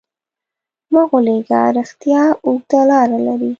مه غولېږه، رښتیا اوږده لاره لري.